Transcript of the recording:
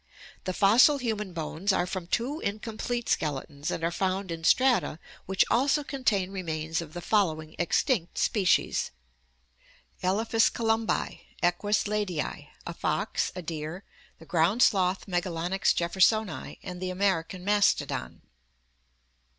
The fossil human bones are from two incomplete skeletons THE EVOLUTION OF MAN 675 and are found in strata which also contain remains of the following extinct species: Elephas columbi, Equus leidyi, a fox, a deer, the ground sloth Megalonyx jejfersoni, and the American mastodon.